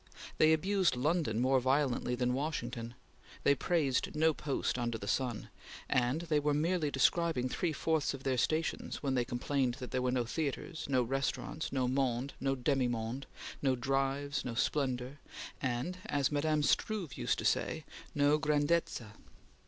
They abused London more violently than Washington; they praised no post under the sun; and they were merely describing three fourths of their stations when they complained that there were no theatres, no restaurants, no monde, no demi monde, no drives, no splendor, and, as Mme. de Struve used to say, no grandezza.